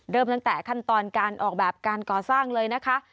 เริ่มตั้งแต่ขั้นตอนการออกแบบการก่อสร้างเลยนะคะ